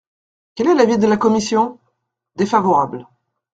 » Quel est l’avis de la commission ? Défavorable.